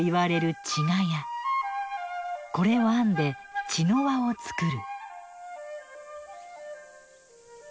これを編んで「茅の輪」を作る。